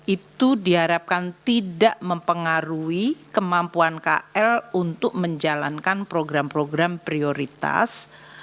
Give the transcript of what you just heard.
itu diharapkan tidak mempengaruhi kemampuan kl untuk menjalankan program program prioritas